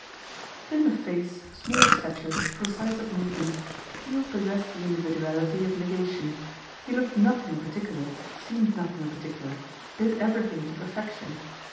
Thin of face, small of stature, precise of move ment, Peel possessed the individuality of negation. He looked nothing in particular, seemed nothing in particular, did everything to perfection.